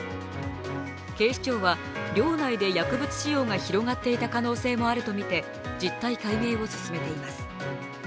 警視庁は、寮内で薬物使用が広がっていた可能性もあるとみて実態解明を進めています。